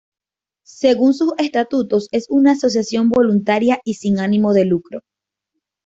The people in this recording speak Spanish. Según sus estatutos es una asociación voluntaria y sin ánimo de lucro.